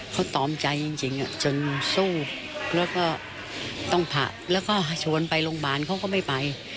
เขาตอมใจจริงจนสู้แล้วก็ต้องผ่าแล้วก็ชวนไปโรงพยาบาลเขาก็ไม่ไป